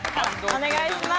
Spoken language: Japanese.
お願いします。